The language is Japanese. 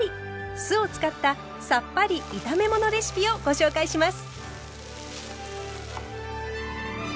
酢を使ったさっぱり炒め物レシピをご紹介します。